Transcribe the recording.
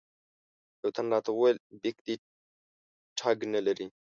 یوه تن راته وویل بیک دې ټګ نه لري.